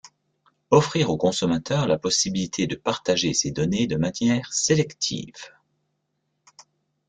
Offrir aux consommateurs, la possibilité de partager ses données de manière sélective.